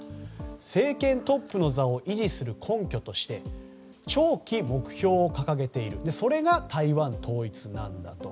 政権トップの座を維持する根拠として長期目標を掲げているそれが台湾統一なんだと。